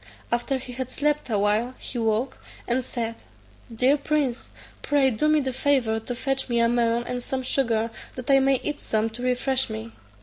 After he had slept a while, he awoke, and said, "Dear prince, pray do me the favour to fetch me a melon and some sugar, that I may eat some to refresh me."